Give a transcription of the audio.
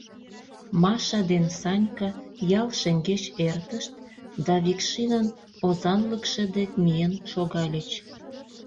Маша ден Санька ял шеҥгеч эртышт да «Векшинын озанлыкше» дек миен шогальыч.